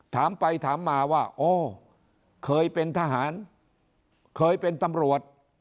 ถามไปถามมาว่าอ้อเคยเป็นทหารเคยเป็นตำรวจ